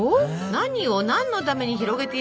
何を何のために広げているの？